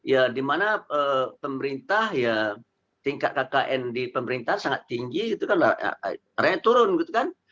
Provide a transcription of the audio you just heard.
ya dimana pemerintah ya tingkat kkn di pemerintah sangat tinggi gitu kan